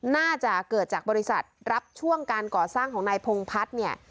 น่าจะเกิดจากบริษัทรับช่วงการก่อสร้างของนายพงพัฒน์เนี่ย